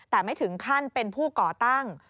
แต่ไม่ถึงขั้นเป็นผู้ก่อตั้ง